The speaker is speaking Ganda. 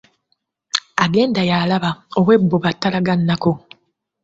Agenda y’alaba, ow’ebbuba talaga nnaku.